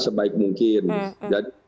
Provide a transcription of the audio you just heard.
sebaik mungkin jadi